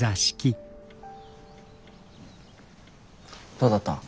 どうだった？